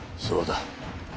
そうだ。